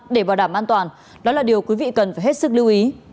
để bảo đảm an toàn đó là điều quý vị cần phải hết sức lưu ý